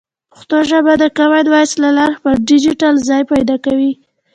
پښتو ژبه د کامن وایس له لارې خپل ډیجیټل ځای پیدا کوي.